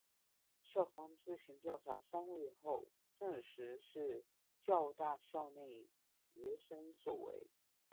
校方自行调查三个月后证实是教大校内学生所为。